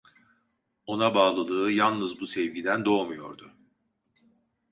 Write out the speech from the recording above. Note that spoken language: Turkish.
Ona bağlılığı yalnız bu sevgiden doğmuyordu.